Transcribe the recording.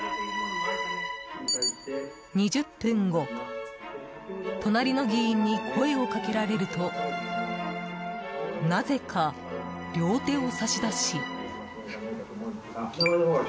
２０分後隣の議員に声を掛けられるとなぜか両手を差し出し。